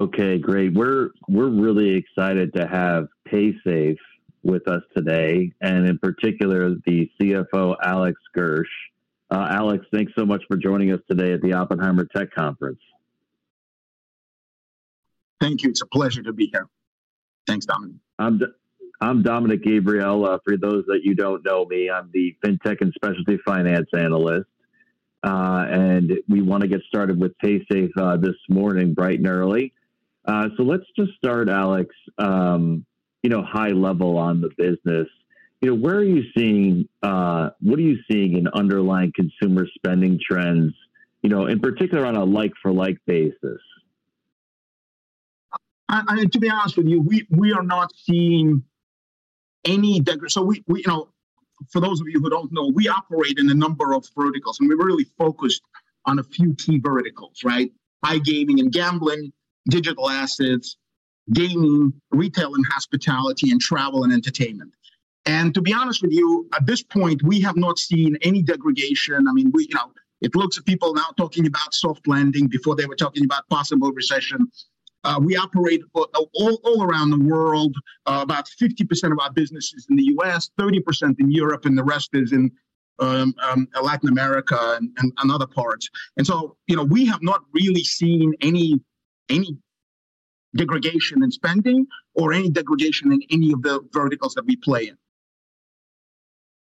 Okay, great. We're, we're really excited to have Paysafe with us today, and in particular, the CFO, Alex Gersh. Alex, thanks so much for joining us today at the Oppenheimer Tech Conference Thank you. It's a pleasure to be here. Thanks, Dominick. I'm Dominick Gabriele. For those that you don't know me, I'm the Fintech and Specialty Finance Analyst. We wanna get started with Paysafe this morning, bright and early. Let's just start, Alex, you know, high level on the business. You know, what are you seeing in underlying consumer spending trends, you know, in particular, on a like-for-like basis? To be honest with you, we, we are not seeing any so we, we, you know, for those of you who don't know, we operate in a number of verticals, and we're really focused on a few key verticals, right? iGaming and gambling, digital assets, gaming, retail and hospitality, and travel and entertainment. To be honest with you, at this point, we have not seen any degradation. I mean, we, you know, it looks at people now talking about soft landing, before they were talking about possible recession. we operate all, all around the world. about 50% of our business is in the U.S., 30% in Europe, and the rest is in Latin America and, and other parts. You know, we have not really seen any, any degradation in spending or any degradation in any of the verticals that we play in.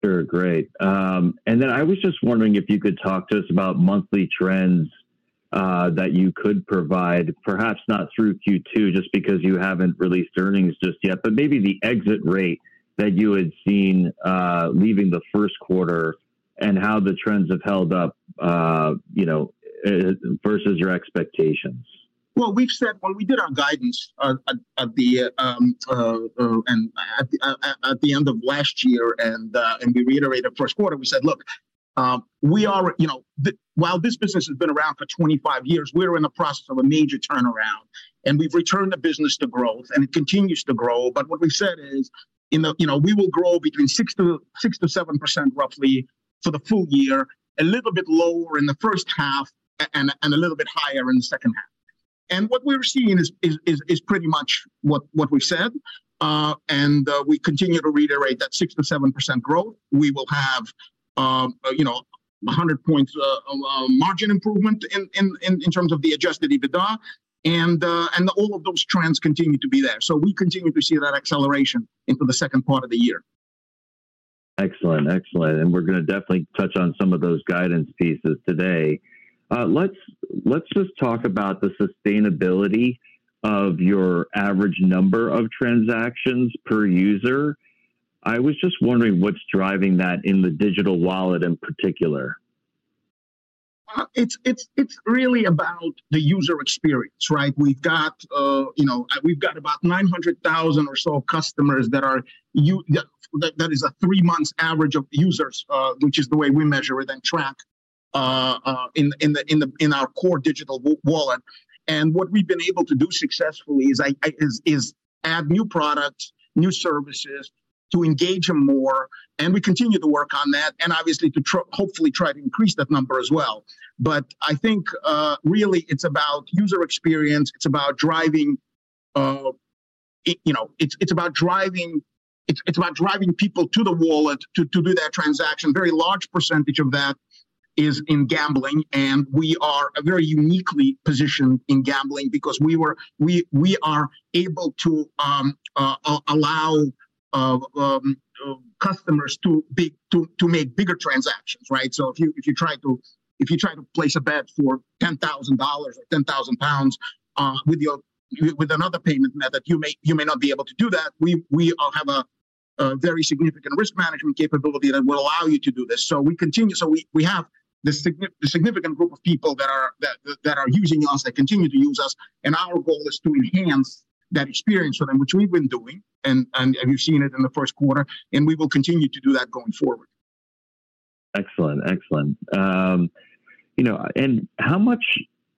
Sure, great. I was just wondering if you could talk to us about monthly trends that you could provide, perhaps not through Q2, just because you haven't released earnings just yet, but maybe the exit rate that you had seen leaving the first quarter, and how the trends have held up versus your expectations? Well, we've said... When we did our guidance at the end of last year, and we reiterated first quarter, we said, "Look, you know, while this business has been around for 25 years, we're in the process of a major turnaround, and we've returned the business to growth, and it continues to grow." What we've said is, you know, you know, we will grow between 6%-7% roughly for the full year, a little bit lower in the first half and a little bit higher in the second half. What we're seeing is pretty much what we've said, and we continue to reiterate that 6%-7% growth. We will have, you know, 100 points, margin improvement in, in, in terms of the adjusted EBITDA, and all of those trends continue to be there. We continue to see that acceleration into the second part of the year. Excellent, excellent. We're gonna definitely touch on some of those guidance pieces today. Let's, let's just talk about the sustainability of your average number of transactions per user. I was just wondering what's driving that in the digital wallet in particular? It's, it's, it's really about the user experience, right? We've got, you know, we've got about 900,000 or so customers that are that, that is a three-months average of users, which is the way we measure it and track, in our core digital wallet. What we've been able to do successfully is is, is add new products, new services to engage them more, and we continue to work on that, and obviously, to hopefully try to increase that number as well. I think, really it's about user experience. It's about driving. You know, it's, it's about driving, it's, it's about driving people to the wallet to, to do their transaction. Very large percentage of that is in gambling, We are very uniquely positioned in gambling because we are able to allow customers to make bigger transactions, right? If you try to place a bet for $10,000 or 10,000 pounds with another payment method, you may not be able to do that. We have a very significant risk management capability that will allow you to do this. we have this significant group of people that that are using us, that continue to use us, and our goal is to enhance that experience for them, which we've been doing, and you've seen it in the first quarter, and we will continue to do that going forward. Excellent, excellent. You know, and how much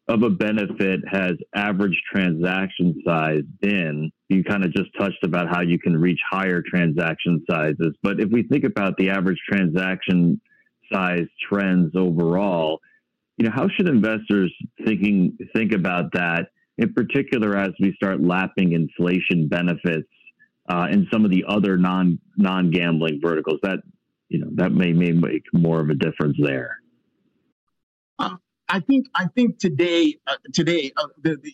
of a benefit has average transaction size been? You kind of just touched about how you can reach higher transaction sizes, but if we think about the average transaction size trends overall, you know, how should investors think about that, in particular, as we start lapping inflation benefits in some of the other non, non-gambling verticals that, you know, that may, may make more of a difference there? I think, I think today, today,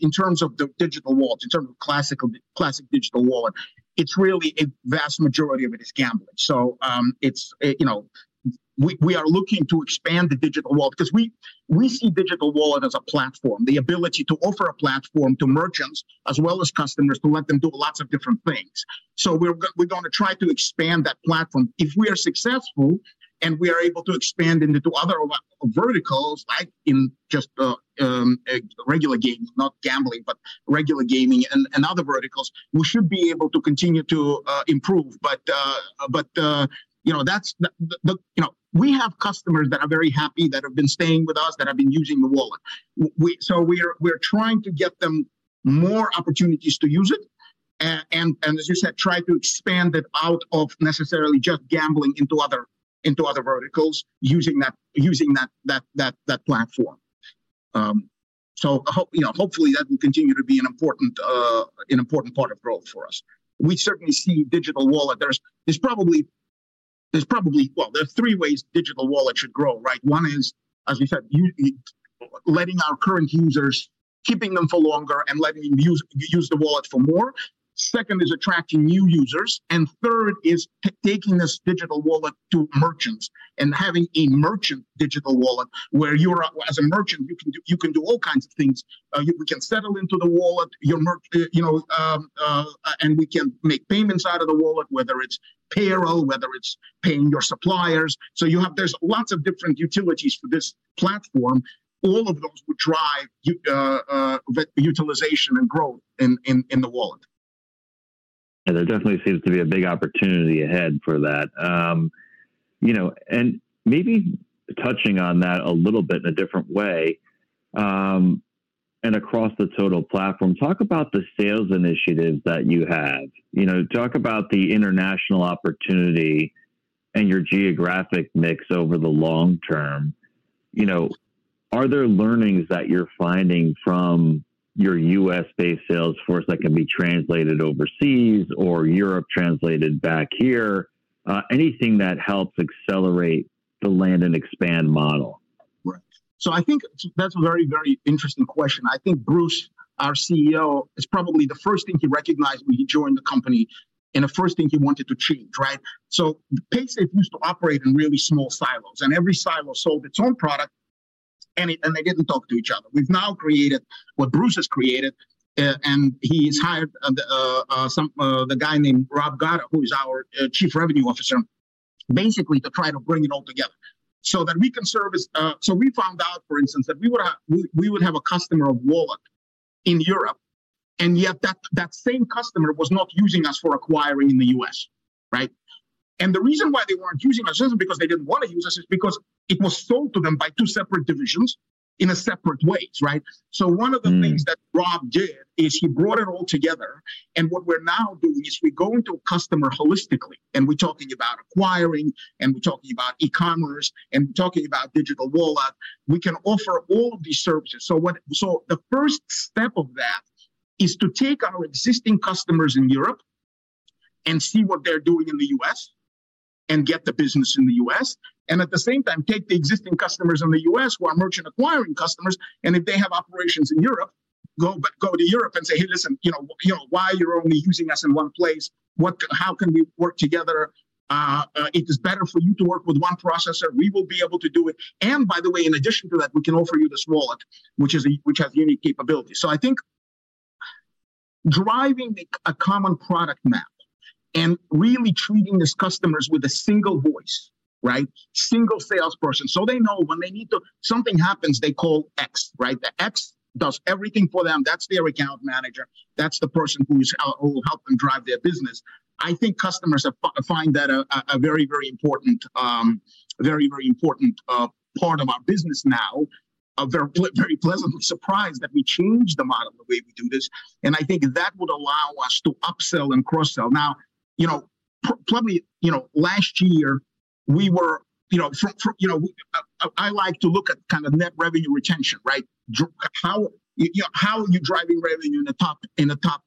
in terms of the digital wallet, in terms of classic digital wallet, it's really a vast majority of it is gambling. It's, you know, we, we are looking to expand the digital wallet 'cause we, we see digital wallet as a platform, the ability to offer a platform to merchants as well as customers, to let them do lots of different things. We're, we're gonna try to expand that platform. If we are successful, and we are able to expand into other verticals, like in just regular gaming, not gambling, but regular gaming and, and other verticals, we should be able to continue to improve. You know, that's the, the... You know, we have customers that are very happy, that have been staying with us, that have been using the wallet. We so we're, we're trying to get them more opportunities to use it, and, and as you said, try to expand it out of necessarily just gambling into other verticals. into other verticals using that, using that, that, that, that platform. so I hope, you know, hopefully that will continue to be an important, an important part of growth for us. We certainly see digital wallet. There's, there's probably, there's probably... Well, there are three ways digital wallet should grow, right? One is, as we said, letting our current users, keeping them for longer and letting them use, use the wallet for more. Second, is attracting new users, and third is taking this digital wallet to merchants, and having a merchant digital wallet where you're, as a merchant, you can do, you can do all kinds of things. You can settle into the wallet, your you know, and we can make payments out of the wallet, whether it's payroll, whether it's paying your suppliers. You have. There's lots of different utilities for this platform. All of those would drive the utilization and growth, in the wallet. There definitely seems to be a big opportunity ahead for that. You know, and maybe touching on that a little bit in a different way, and across the total platform, talk about the sales initiatives that you have. You know, talk about the international opportunity and your geographic mix over the long term. You know, are there learnings that you're finding from your US-based sales force that can be translated overseas or Europe translated back here? Anything that helps accelerate the land and expand model. Right. I think that's a very, very interesting question. I think Bruce, our CEO, it's probably the first thing he recognized when he joined the company and the first thing he wanted to change, right? Paysafe used to operate in really small silos, and every silo sold its own product, and they didn't talk to each other. We've now created, what Bruce has created, and he's hired, the, some, the guy named Rob Gatto, who is our Chief Revenue Officer, basically to try to bring it all together so that we can service... So we found out, for instance, that we would have, we, we would have a customer of wallet in Europe, and yet that, that same customer was not using us for acquiring in the U.S., right? The reason why they weren't using us isn't because they didn't want to use us, is because it was sold to them by two separate divisions in a separate ways, right? Mm. One of the things that Rob did is he brought it all together, and what we're now doing is we go into a customer holistically, and we're talking about acquiring, and we're talking about e-commerce, and we're talking about digital wallet. We can offer all of these services. The first step of that is to take our existing customers in Europe and see what they're doing in the U.S. and get the business in the U.S., and at the same time, take the existing customers in the U.S. who are merchant acquiring customers, and if they have operations in Europe, go back, go to Europe and say, "Hey, listen, you know, you know, why you're only using us in one place?" How can we work together? It is better for you to work with one processor. We will be able to do it. By the way, in addition to that, we can offer you this wallet, which has unique capabilities. I think driving a common product map and really treating these customers with a single voice, right? Single salesperson, so they know when they need to... Something happens, they call X, right? The X does everything for them. That's their account manager. That's the person who's who will help them drive their business. I think customers have find that a very, very important, very, very important part of our business now. They're very pleasantly surprised that we changed the model, the way we do this, and I think that would allow us to upsell and cross-sell. Now, you know, probably, you know, last year we were, you know, from, you know... I like to look at kind of net revenue retention, right? how, you know, how are you driving revenue in the top, in the top,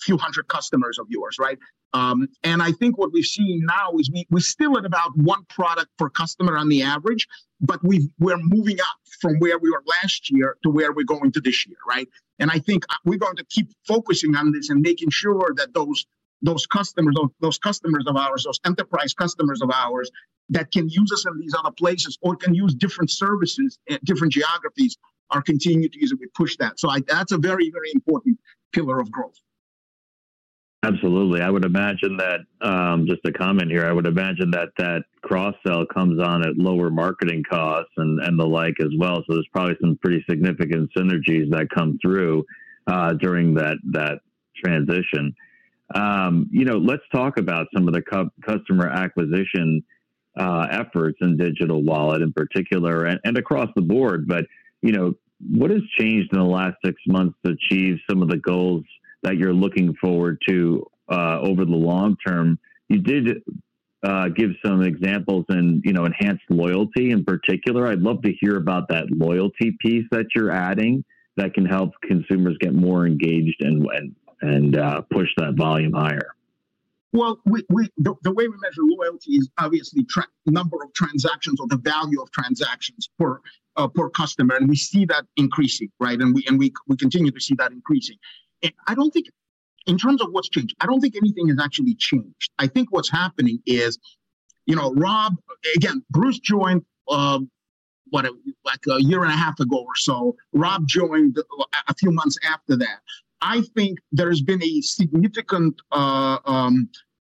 few hundred customers of yours, right? I think what we're seeing now is we, we're still at about one product per customer on the average, but we've we're moving up from where we were last year to where we're going to this year, right? I think we're going to keep focusing on this and making sure that those, those customers, those, those customers of ours, those enterprise customers of ours, that can use us in these other places or can use different services at different geographies, are continuing to use it, we push that. That's a very, very important pillar of growth. Absolutely. I would imagine that... Just a comment here, I would imagine that that cross-sell comes on at lower marketing costs and, and the like as well. There's probably some pretty significant synergies that come through during that, that transition. You know, let's talk about some of the customer acquisition efforts in digital wallet in particular and, and across the board. You know, what has changed in the last six months to achieve some of the goals that you're looking forward to over the long term? You did give some examples and, you know, enhanced loyalty in particular. I'd love to hear about that loyalty piece that you're adding that can help consumers get more engaged and when, and push that volume higher. Well, we, we, the, the way we measure loyalty is obviously number of transactions or the value of transactions per customer, and we see that increasing, right? We continue to see that increasing. I don't think, in terms of what's changed, I don't think anything has actually changed. I think what's happening is, you know, Rob. Again, Bruce joined, what, like, a year and a half ago or so. Rob joined a few months after that. I think there's been a significant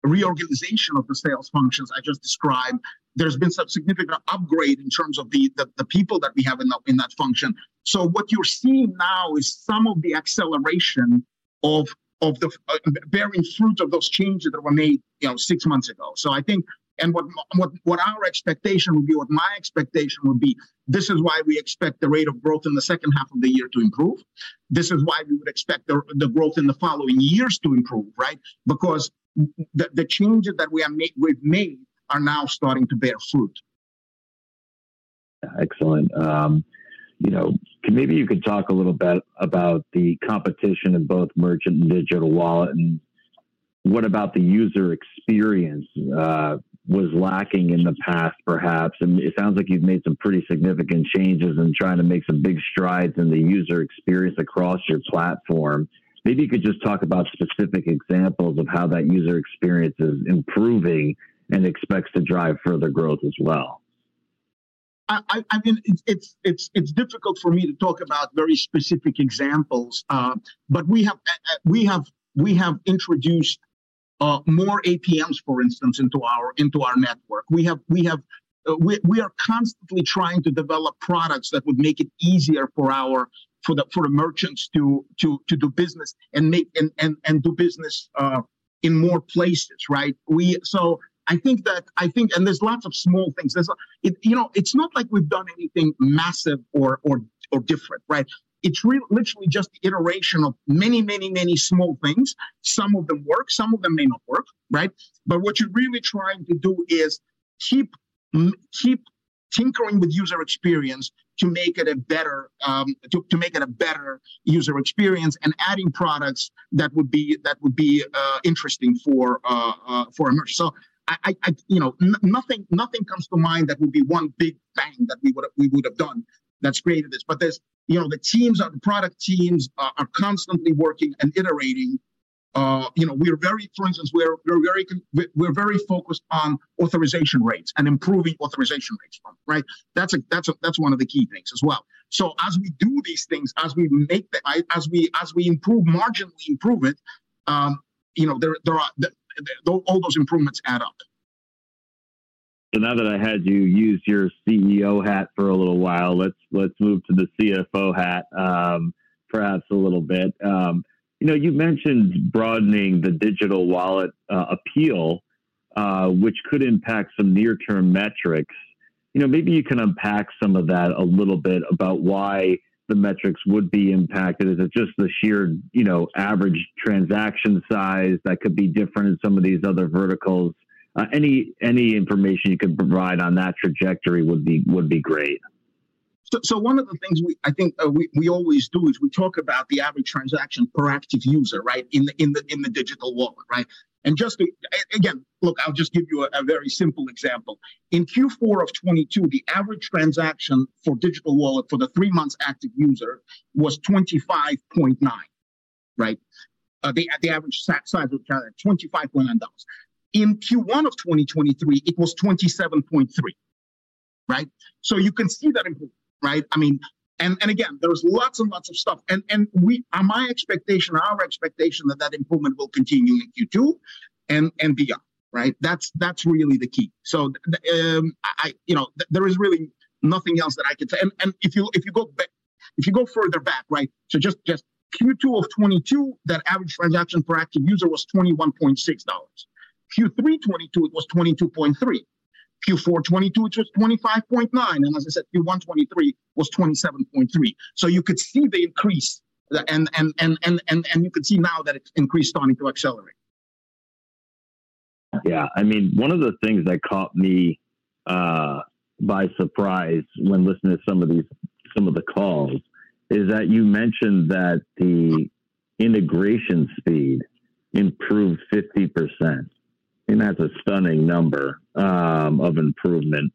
reorganization of the sales functions I just described. There's been some significant upgrade in terms of the people that we have in that function. What you're seeing now is some of the acceleration of the bearing fruit of those changes that were made, you know, six months ago. I think. What our expectation would be, what my expectation would be, this is why we expect the rate of growth in the second half of the year to improve. This is why we would expect the growth in the following years to improve, right? Because the changes that we have made we've made are now starting to bear fruit. Excellent. you know, can maybe you could talk a little bit about the competition in both merchant and digital wallet, and what about the user experience, was lacking in the past, perhaps? It sounds like you've made some pretty significant changes in trying to make some big strides in the user experience across your platform. Maybe you could just talk about specific examples of how that user experience is improving and expects to drive further growth as well? cult for me to talk about very specific examples, but we have introduced more APMs, for instance, into our network. We have, we are constantly trying to develop products that would make it easier for our, for the, for the merchants to do business and make and do business in more places, right? So I think that, I think, and there's lots of small things. There's, you know, it's not like we've done anything massive or different, right? It's literally just the iteration of many, many, many small things. Some of them work, some of them may not work, right What you're really trying to do is keep tinkering with user experience to make it a better, to, to make it a better user experience, and adding products that would be, that would be interesting for a merchant. You know, nothing, nothing comes to mind that would be one big bang that we would have, we would have done that's created this. There's, you know, the teams, our product teams are, are constantly working and iterating. You know, we're very-- for instance, we're, we're very focused on authorisation rates and improving authorisation rates, right? That's a, that's, that's one of the key things as well. As we do these things, as we, as we improve, marginally improve it, you know, there, there are, all those improvements add up. Now that I had you use your CEO hat for a little while, let's, let's move to the CFO hat, perhaps a little bit. You know, you mentioned broadening the digital wallet appeal, which could impact some near-term metrics. You know, maybe you can unpack some of that a little bit about why the metrics would be impacted. Is it just the sheer, you know, average transaction size that could be different in some of these other verticals? Any, any information you could provide on that trajectory would be, would be great. One of the things we, I think, we, we always do is we talk about the average transaction per active user, right, in the digital wallet, right? Just to again, look, I'll just give you a very simple example. In Q4 of 2022, the average transaction for digital wallet for the three months active user was 25.9, right? The average trans- size of transaction, $25.9. In Q1 of 2023, it was 27.3, right? You can see that improvement, right? I mean, again, there was lots and lots of stuff. My expectation, our expectation is that that improvement will continue in Q2 and, and beyond, right? That's really the key. I, you know, there is really nothing else that I can say. If you go back, if you go further back, right? Just, just Q2 2022, the average transaction per active user was $21.6. Q3 2022, it was $22.3. Q4 2022, it was $25.9. As I said, Q1 2023 was $27.3. You could see the increase, the... You could see now that it's increased, starting to accelerate. Yeah, I mean, one of the things that caught me by surprise when listening to some of the calls, is that you mentioned that the integration speed improved 50%, and that's a stunning number of improvement.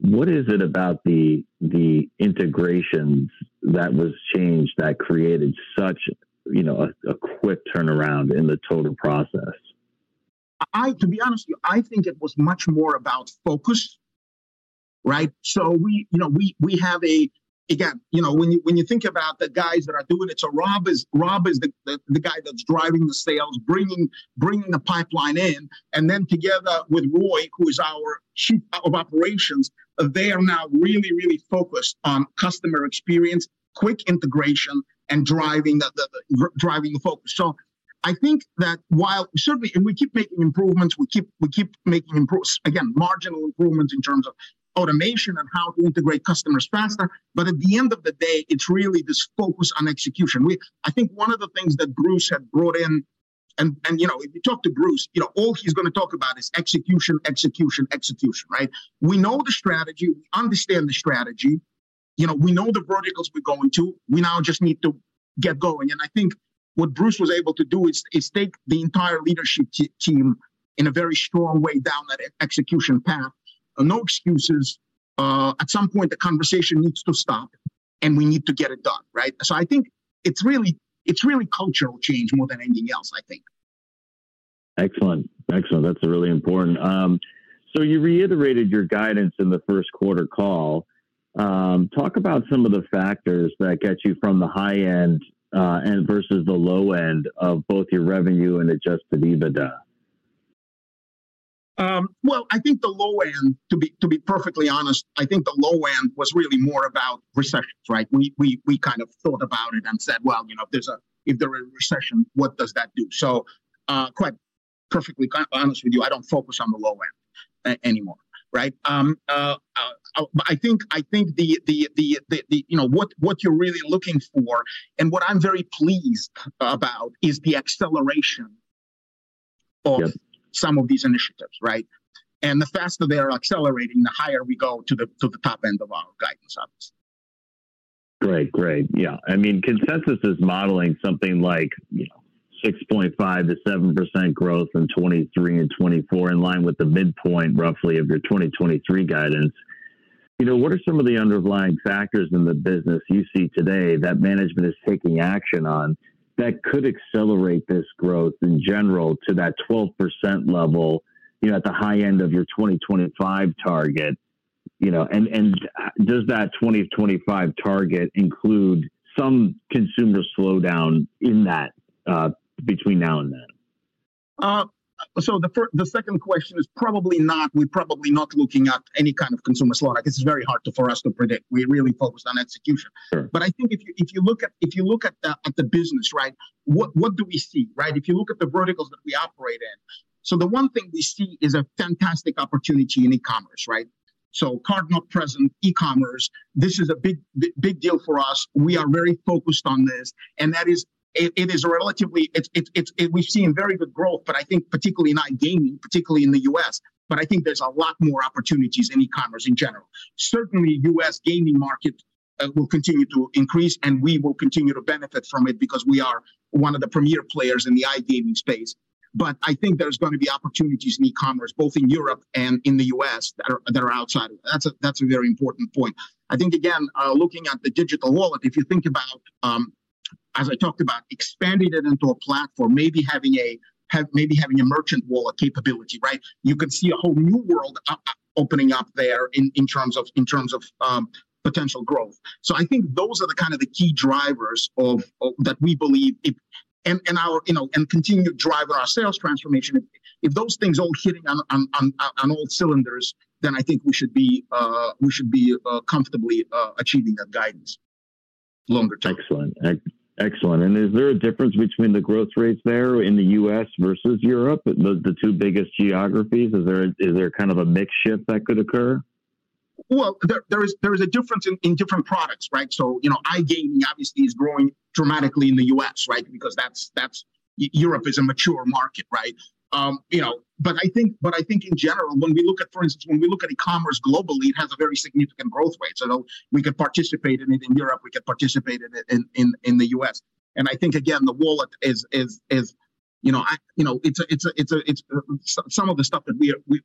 What is it about the integrations that was changed that created such, you know, a quick turnaround in the total process? To be honest with you, I think it was much more about focus, right? We, you know. Again, you know, when you think about the guys that are doing it, Rob is the guy that's driving the sales, bringing the pipeline in. Together with Roy, who is our Chief Operating Officer, they are now really, really focused on customer experience, quick integration, and driving the focus. I think that while. Certainly, and we keep making improvements, we keep making marginal improvements in terms of automation and how to integrate customers faster. At the end of the day, it's really this focus on execution. I think one of the things that Bruce had brought in. You know, if you talk to Bruce, you know, all he's going to talk about is execution, execution, execution, right? We know the strategy, we understand the strategy. You know, we know the verticals we're going to. We now just need to get going, and I think what Bruce was able to do is, is take the entire leadership team in a very strong way down that execution path. No excuses. At some point, the conversation needs to stop, and we need to get it done, right? I think it's really, it's really cultural change more than anything else, I think. Excellent, excellent. That's really important. You reiterated your guidance in the first quarter call. Talk about some of the factors that get you from the high end, and versus the low end of both your revenue and adjusted EBITDA. Well, I think the low end, to be perfectly honest, I think the low end was really more about recessions, right? We kind of thought about it and said: "Well, you know, if there's if there's a recession, what does that do?" Quite perfectly quite honest with you, I don't focus on the low end anymore, right? I think you know, what, what you're really looking for, and what I'm very pleased about, is the acceleration of some of these initiatives, right? The faster they are accelerating, the higher we go to the top end of our guidance, obviously. Great. Great, yeah. I mean, consensus is modeling something like, you know, 6.5%-7% growth in 2023 and 2024, in line with the midpoint, roughly, of your 2023 guidance. You know, what are some of the underlying factors in the business you see today that management is taking action on, that could accelerate this growth in general to that 12% level, you know, at the high end of your 2025 target? You know, and, and, does that 2025 target include some consumer slowdown in that, between now and then? The second question is probably not. We're probably not looking at any kind of consumer slowdown. It's very hard to, for us to predict. We're really focused on execution. Sure. I think if you, if you look at, if you look at the, at the business, right, what do we see, right? If you look at the verticals that we operate in. The one thing we see is a fantastic opportunity in e-commerce, right? Card-not-present, e-commerce, this is a big deal for us. We are very focused on this, and that is. It is a relatively. It's, we've seen very good growth, but I think particularly not in gaming, particularly in the U.S., but I think there's a lot more opportunities in e-commerce in general. Certainly, U.S. gaming market will continue to increase, and we will continue to benefit from it because we are one of the premier players in the iGaming space. I think there's gonna be opportunities in e-commerce, both in Europe and in the U.S., that are outside. That's a very important point. I think, again, looking at the digital wallet, if you think about, as I talked about, expanding it into a platform, maybe having a merchant wallet capability, right? You could see a whole new world opening up there in terms of growth. I think those are the kind of the key drivers of that we believe if... Our, you know, and continue to drive our sales transformation. If those things all hitting on all cylinders, then I think we should be comfortably achieving that guidance longer term. Excellent. Excellent. Is there a difference between the growth rates there in the U.S. versus Europe, the two biggest geographies? Is there, is there kind of a mix shift that could occur? Well, there, there is, there is a difference in different products, right? You know, iGaming obviously is growing dramatically in the U.S., right? Because that's... Europe is a mature market, right? You know, I think, but I think in general, when we look at, for instance, when we look at e-commerce globally, it has a very significant growth rate. We can participate in it in Europe, we can participate it in the U.S. I think, again, the wallet is you know, You know, it's some of the stuff that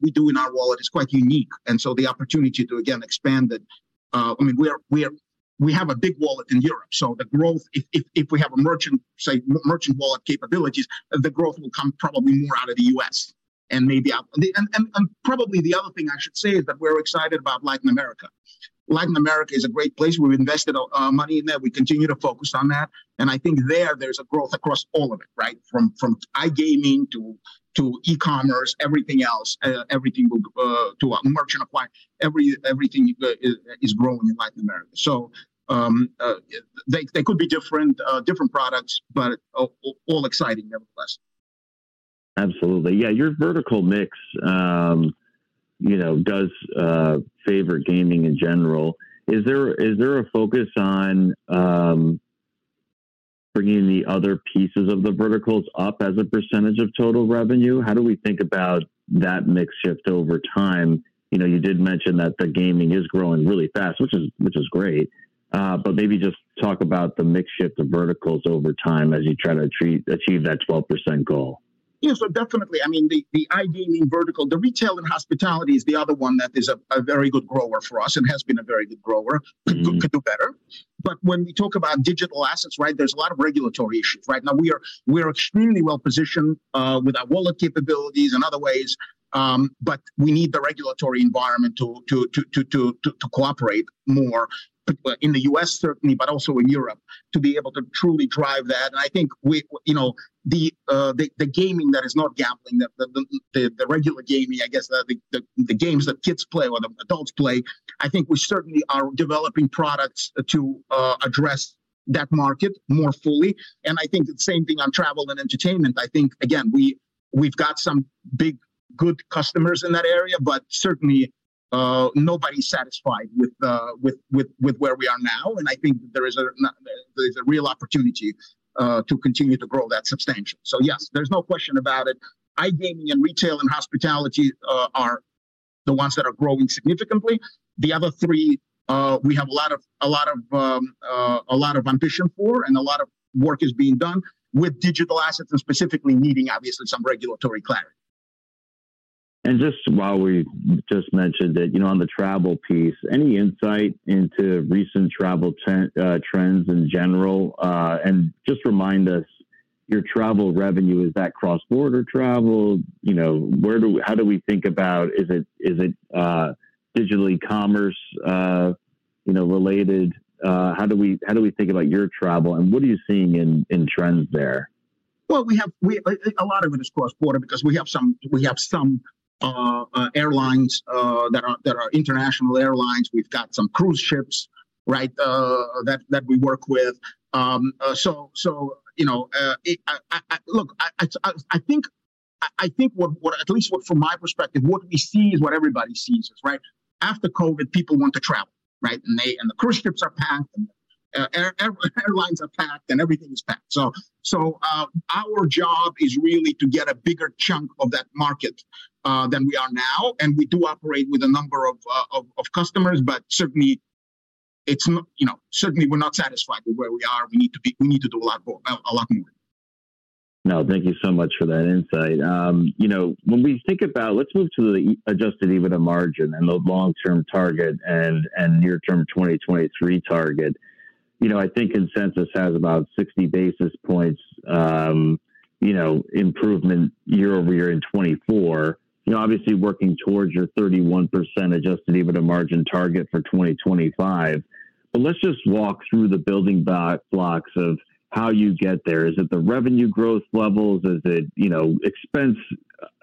we do in our wallet is quite unique, and so the opportunity to, again, expand it. I mean, we are, we have a big wallet in Europe, so the growth, if we have a merchant, say, merchant wallet capabilities, the growth will come probably more out of the U.S. and maybe out. Probably the other thing I should say is that we're excited about Latin America. Latin America is a great place. We've invested money in there. We continue to focus on that, and I think there, there's a growth across all of it, right? From iGaming to e-commerce, everything else, everything to merchant apply. Everything is growing in Latin America. They, they could be different, different products, but all exciting nevertheless. Absolutely. Yeah, your vertical mix, you know, does favor gaming in general. Is there, is there a focus on bringing the other pieces of the verticals up as a percentage of total revenue? How do we think about that mix shift over time? You know, you did mention that the gaming is growing really fast, which is, which is great, but maybe just talk about the mix shift of verticals over time as you try to achieve, achieve that 12% goal. Yeah, so definitely. I mean, the, the iGaming vertical, the retail and hospitality is the other one that is a, a very good grower for us and has been a very good grower... Mm-hmm. could do better. When we talk about digital assets, right, there's a lot of regulatory issues. Right now, we are, we are extremely well-positioned with our wallet capabilities in other ways, but we need the regulatory environment to cooperate more in the U.S., certainly, but also in Europe, to be able to truly drive that. I think we... You know, the gaming that is not gambling, the regular gaming, I guess, the games that kids play or the adults play, I think we certainly are developing products to address that market more fully. I think the same thing on travel and entertainment. I think, again, we've got some big, good customers in that area, but certainly, nobody's satisfied with where we are now. I think there is a real opportunity to continue to grow that substantially. Yes, there's no question about it. iGaming and retail and hospitality are the ones that are growing significantly. The other three, we have a lot of ambition for and a lot of work is being done with digital assets and specifically needing obviously some regulatory clarity. Just while we just mentioned that, you know, on the travel piece, any insight into recent travel trend, trends in general? Just remind us, your travel revenue, is that cross-border travel? You know, where do we- how do we think about...Is it, digital commerce, you know, related? How do we, how do we think about your travel, and what are you seeing in, in trends there? Well, we have, we, a lot of it is cross-border because we have some, we have some airlines that are international airlines. We've got some cruise ships, right, that we work with. So you know, I, I, look, I think what, what at least from my perspective, what we see is what everybody sees, right? After COVID, people want to travel, right? The cruise ships are packed, and the airlines are packed and everything is packed. So, so, our job is really to get a bigger chunk of that market than we are now. We do operate with a number of, of, of customers, but certainly it's not, you know, certainly we're not satisfied with where we are. We need to we need to do a lot more, a lot more. No, thank you so much for that insight. You know, when we think about... Let's move to the adjusted EBITDA margin and the long-term target and near-term 2023 target. You know, I think consensus has about 60 basis points, you know, improvement year-over-year in 2024. You're obviously working towards your 31% adjusted EBITDA margin target for 2025. Let's just walk through the building block, blocks of how you get there. Is it the revenue growth levels? Is it, you know, expense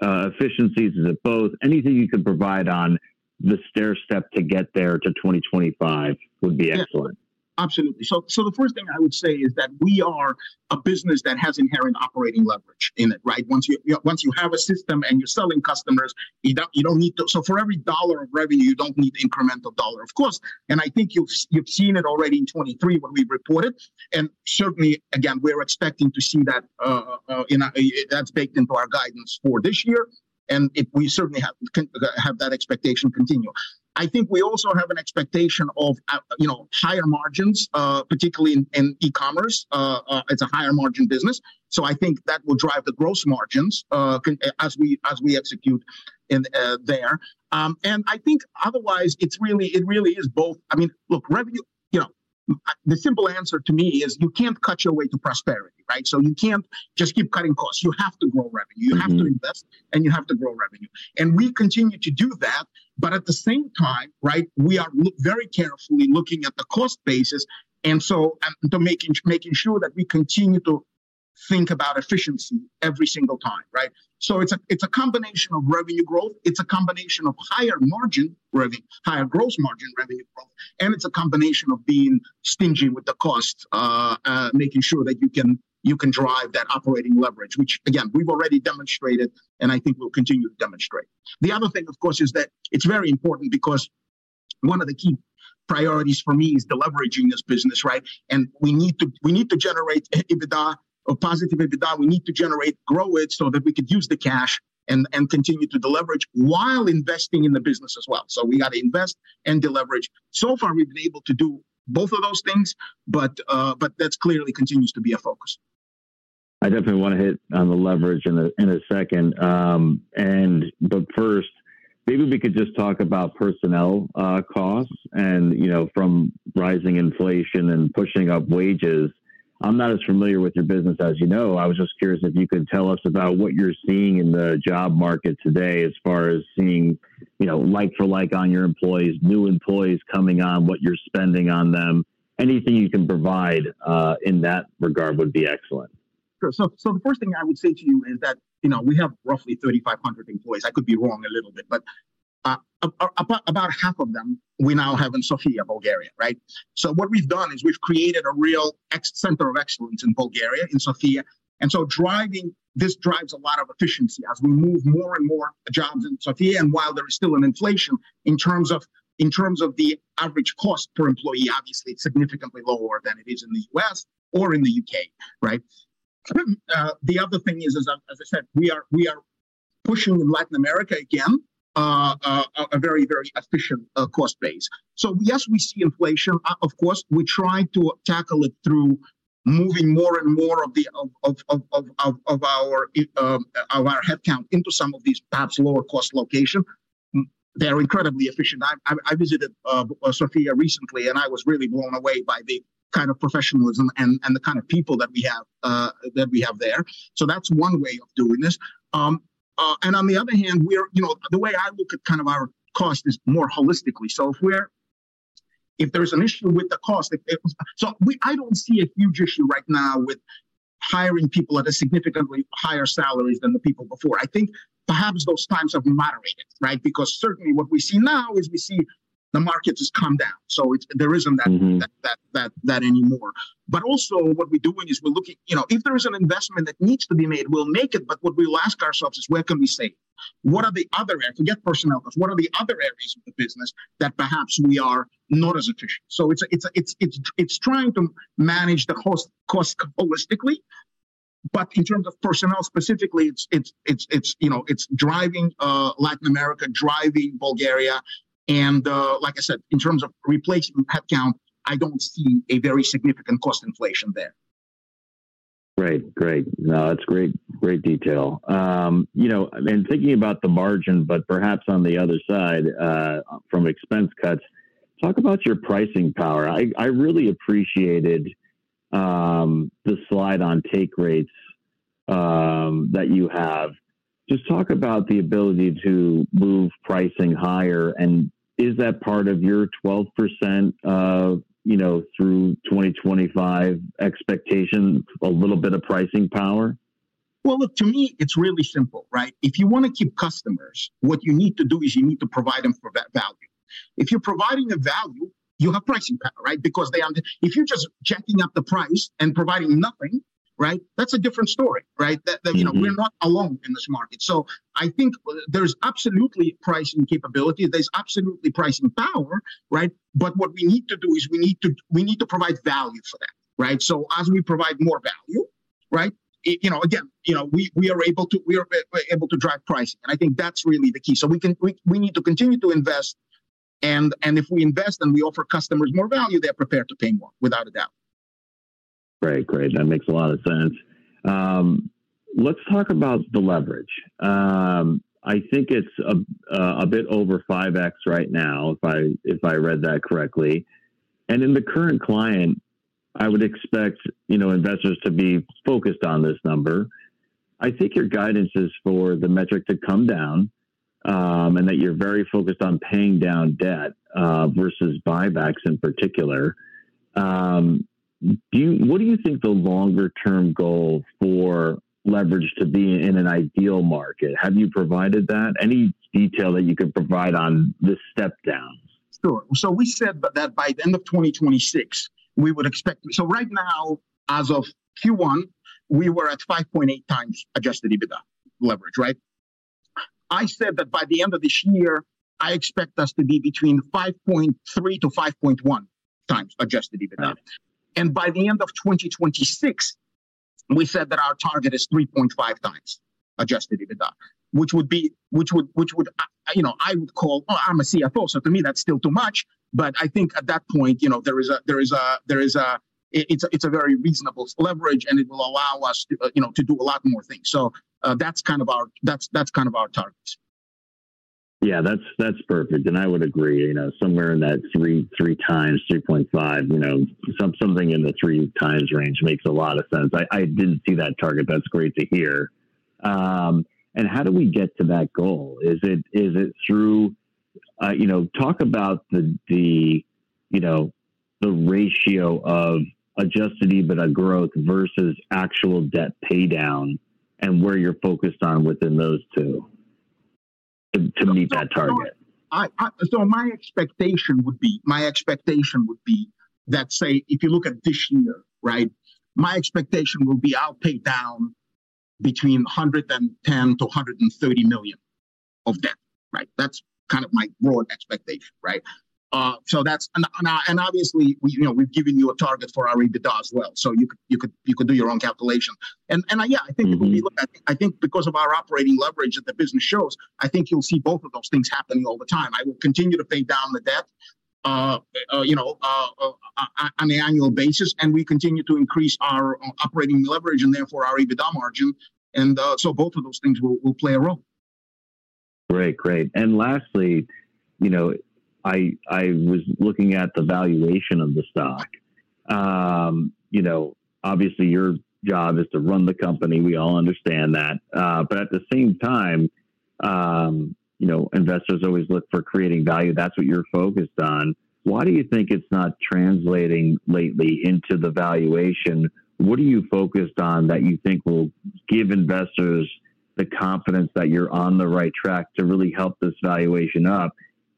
efficiencies? Is it both? Anything you could provide on the stairstep to get there to 2025 would be excellent. Yeah, absolutely. The first thing I would say is that we are a business that has inherent operating leverage in it, right? Once you have a system and you're selling customers, you don't, you don't need to- so for every $1 of revenue, you don't need incremental $1. Of course, and I think you've seen it already in 2023 when we reported, and certainly again, we're expecting to see that, in a... That's baked into our guidance for this year, and it- we certainly have that expectation continue. I think we also have an expectation of at, you know, higher margins, particularly in e-commerce. It's a higher margin business, so I think that will drive the gross margins, con- as we, as we execute in there. I think otherwise, it's really, it really is I mean, look, revenue, you know, the simple answer to me is, you can't cut your way to prosperity, right? You can't just keep cutting costs. You have to grow revenue. Mm-hmm. You have to invest, and you have to grow revenue. We continue to do that, but at the same time, right, we are very carefully looking at the cost basis, making sure that we continue to think about efficiency every single time, right? It's a combination of revenue growth. It's a combination of higher margin revenue, higher gross margin revenue growth, and it's a combination of being stingy with the cost, making sure that you can, you can drive that operating leverage, which, again, we've already demonstrated, and I think we'll continue to demonstrate. The other thing, of course, is that it's very important because one of the key priorities for me is deleveraging this business, right? We need to generate EBITDA, a positive EBITDA. We need to generate, grow it so that we could use the cash and continue to deleverage while investing in the business as well. We gotta invest and deleverage. So far, we've been able to do both of those things, but that's clearly continues to be a focus. I definitely wanna hit on the leverage in a second. But first, maybe we could just talk about personnel costs and, you know, from rising inflation and pushing up wages. I'm not as familiar with your business as you know. I was just curious if you could tell us about what you're seeing in the job market today as far as seeing, you know, like for like on your employees, new employees coming on, what you're spending on them. Anything you can provide in that regard would be excellent. Sure. The first thing I would say to you is that, you know, we have roughly 3,500 employees. I could be wrong a little bit, but about half of them we now have in Sofia, Bulgaria, right? What we've done is we've created a real center of excellence in Bulgaria, in Sofia, and this drives a lot of efficiency as we move more and more jobs in Sofia. While there is still an inflation, in terms of, in terms of the average cost per employee, obviously it's significantly lower than it is in the U.S. or in the U.K., right? The other thing is, as I, as I said, we are, we are pushing in Latin America again, a very, very efficient, cost base. Yes, we see inflation. Of course, we try to tackle it through moving more and more of our headcount into some of these perhaps lower-cost locations. They're incredibly efficient. I visited Sofia recently, and I was really blown away by the kind of professionalism and the kind of people that we have that we have there. That's one way of doing this. You know, the way I look at kind of our cost is more holistically. If there's an issue with the cost, I don't see a huge issue right now with hiring people at a significantly higher salaries than the people before. I think perhaps those times have moderated, right? Certainly what we see now is we see the market has come down, so there isn't. Mm-hmm... that, that, that, anymore. Also, what we're doing is we're looking, you know, if there is an investment that needs to be made, we'll make it, but what we will ask ourselves is: Where can we save? What are the other areas... Forget personnel costs. What are the other areas of the business that perhaps we are not as efficient? It's trying to manage the cost, cost holistically. In terms of personnel specifically, it's you know, it's driving Latin America, driving Bulgaria, and, like I said, in terms of replacing headcount, I don't see a very significant cost inflation there. Great. Great. No, that's great, great detail. You know, and thinking about the margin, but perhaps on the other side, from expense cuts, talk about your pricing power. I, I really appreciated the slide on take rates that you have. Just talk about the ability to move pricing higher, and is that part of your 12%, you know, through 2025 expectation, a little bit of pricing power? Well, look, to me, it's really simple, right? If you wanna keep customers, what you need to do is you need to provide them for that value. If you're providing a value, you have pricing power, right? Because they are... If you're just jacking up the price and providing nothing... Right? That's a different story, right? Mm-hmm. That, that, you know, we're not alone in this market. I think there's absolutely pricing capability, there's absolutely pricing power, right? What we need to do is we need to, we need to provide value for that, right? As we provide more value, right, it, you know, again, you know, we are able to, we're able to drive pricing, and I think that's really the key. We can, we need to continue to invest, and if we invest and we offer customers more value, they're prepared to pay more, without a doubt. Great. Great. That makes a lot of sense. Let's talk about the leverage. I think it's a bit over 5x right now, if I, if I read that correctly, and in the current client, I would expect, you know, investors to be focused on this number. I think your guidance is for the metric to come down, and that you're very focused on paying down debt versus buybacks in particular. What do you think the longer term goal for leverage to be in an ideal market? Have you provided that? Any detail that you could provide on this step down? Sure. We said that by the end of 2026, we would expect... Right now, as of Q1, we were at 5.8x adjusted EBITDA leverage, right? I said that by the end of this year, I expect us to be between 5.3x-5.1x adjusted EBITDA. Uh. By the end of 2026, we said that our target is 3.5x adjusted EBITDA, which would, I, you know, I would call... Well, I'm a CFO, so to me, that's still too much. I think at that point, you know, it's a very reasonable leverage, and it will allow us to, you know, to do a lot more things. That's kind of our targets. Yeah, that's, that's perfect. I would agree. You know, somewhere in that 3x, 3.5, you know, something in the 3x range makes a lot of sense. I didn't see that target. That's great to hear. How do we get to that goal? Is it through? You know, talk about the, you know, the ratio of adjusted EBITDA growth versus actual debt pay down and where you're focused on within those two to meet that target. My expectation would be, my expectation would be that, say, if you look at this year, right? My expectation will be I'll pay down between $110 million-$130 million of debt, right? That's kind of my broad expectation, right? Obviously, we, you know, we've given you a target for our EBITDA as well, so you could, you could, you could do your own calculation. Yeah, I think- Mm-hmm... when we look at it, I think because of our operating leverage that the business shows, I think you'll see both of those things happening all the time. I will continue to pay down the debt, you know, on the annual basis. We continue to increase our operating leverage, and therefore our EBITDA margin. So both of those things will play a role. Great. Great. Lastly, you know, I was looking at the valuation of the stock. You know, obviously, your job is to run the company, we all understand that, but at the same time, you know, investors always look for creating value. That's what you're focused on. Why do you think it's not translating lately into the valuation? What are you focused on that you think will give investors the confidence that you're on the right track to really help this valuation up?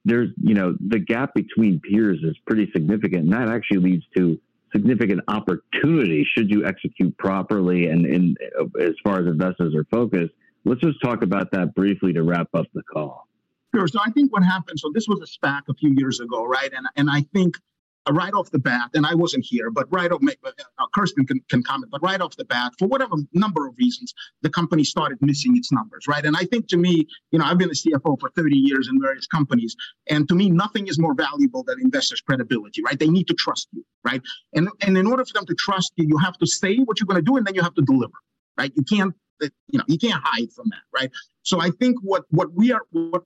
There's, you know, the gap between peers is pretty significant, and that actually leads to significant opportunity should you execute properly and, and, as far as investors are focused. Let's just talk about that briefly to wrap up the call. Sure. I think what happened... This was a SPAC a few years ago, right? I think, right off the bat, and I wasn't here, but right off me- but Kirsten can, can comment, but right off the bat, for whatever number of reasons, the company started missing its numbers, right? I think to me, you know, I've been a CFO for 30 years in various companies, and to me, nothing is more valuable than investors' credibility, right? They need to trust you, right? In order for them to trust you, you have to say what you're gonna do, and then you have to deliver, right? You can't, you know, you can't hide from that, right? I think what, what we are- what,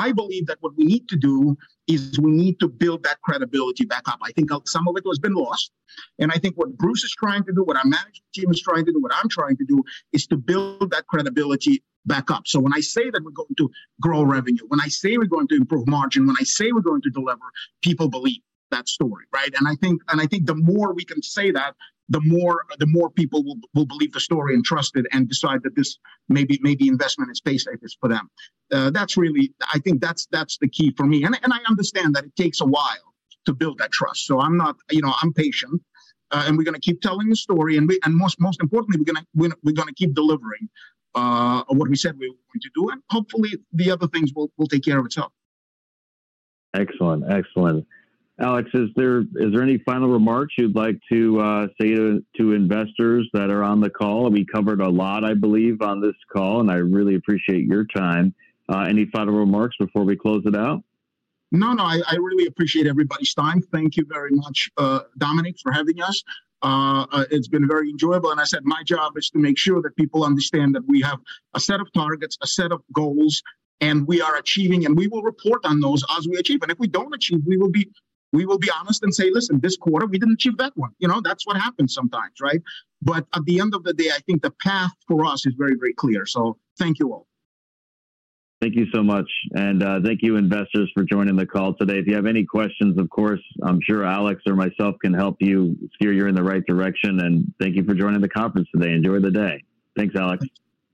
what I believe that what we need to do is we need to build that credibility back up. I think some of it has been lost, and I think what Bruce is trying to do, what our management team is trying to do, what I'm trying to do, is to build that credibility back up. When I say that we're going to grow revenue, when I say we're going to improve margin, when I say we're going to deliver, people believe that story, right? I think, and I think the more we can say that, the more, the more people will, will believe the story and trust it and decide that this may be, may be investment in Paysafe shares is for them. That's really I think that's, that's the key for me. And I understand that it takes a while to build that trust, so I'm not... You know, I'm patient, and we're gonna keep telling the story, and most, most importantly, we, we're gonna keep delivering what we said we were going to do, and hopefully, the other things will, will take care of itself. Excellent. Excellent. Alex, is there, is there any final remarks you'd like to say to, to investors that are on the call? We covered a lot, I believe, on this call, and I really appreciate your time. Any final remarks before we close it out? No, no, I, I really appreciate everybody's time. Thank you very much, Dominic, for having us. It's been very enjoyable, I said, my job is to make sure that people understand that we have a set of targets, a set of goals, we are achieving, we will report on those as we achieve, if we don't achieve, we will be honest and say, "Listen, this quarter, we didn't achieve that one." You know, that's what happens sometimes, right? At the end of the day, I think the path for us is very, very clear. Thank you all. Thank you so much, and thank you, investors, for joining the call today. If you have any questions, of course, I'm sure Alex or myself can help you steer you in the right direction, and thank you for joining the conference today. Enjoy the day. Thanks, Alex.